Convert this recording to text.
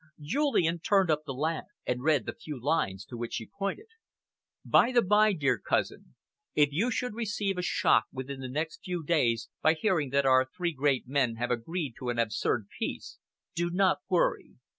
Julian turned up the lamp and read the few lines to which she pointed: By the bye, dear cousin, if you should receive a shock within the next few days by hearing that our three great men have agreed to an absurd peace, do not worry.